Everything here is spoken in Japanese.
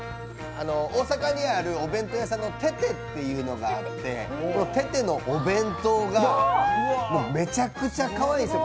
大阪にあるお弁当屋さんのててっていうお店があってこの、ててのお弁当がめちゃくちゃかわいいんですよ。